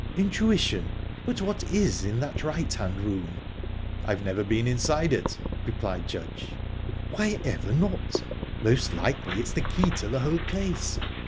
"Intuition...But what is in that right hand room_?"_ "I've never been inside it," replied Judge. "Why ever not? Most likely it's the key to the whole place.